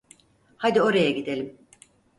Hadi oraya gidelim.